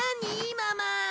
ママ。